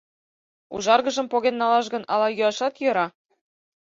Ужаргыжым поген налаш гын, ала йӱашат йӧра?